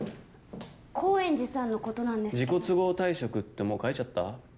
高円寺さんのことなんですけど自己都合退職ってもう書いちゃった？